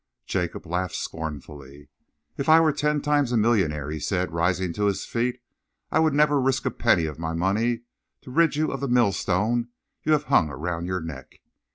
Jacob laughed scornfully. "If I were ten times a millionaire," he said, rising to his feet, "I would never risk a penny of my money to rid you of the millstone you have hung around your neck.